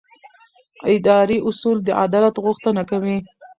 اداري اصول د عدالت غوښتنه کوي.